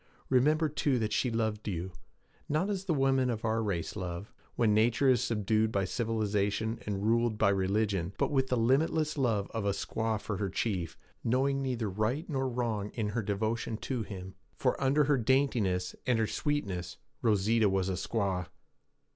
Remember, too, that she loved you; not as the women of our race love, when nature is subdued by civilization and ruled by religion, but with the limitless love of a squaw for her chief, knowing neither right nor wrong in her devotion to him. For under her daintiness and her sweetness Rosita was a squaw.'